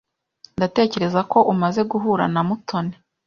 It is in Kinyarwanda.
Ndatekereza ko umaze guhura na Mutoni.